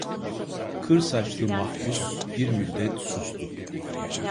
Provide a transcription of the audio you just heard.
Kır saçlı mahpus bir müddet sustu.